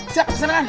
siap kesana kan